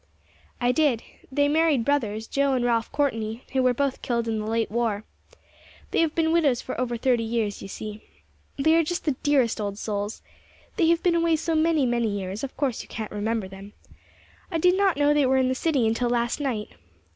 "I did. They married brothers, Joe and Ralph Courtney, who were both killed in the late war. They have been widows for over thirty years, you see. They are just the dearest old souls! They have been away so many, many years, of course you can't remember them. I did not know they were in the city until last night.